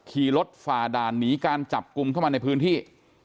ขี่รถฝ่าด่านหนีการจับกลุ่มเข้ามาในพื้นที่